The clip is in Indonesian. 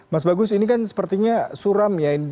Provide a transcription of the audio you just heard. mas bagus ini kan sepertinya suram ya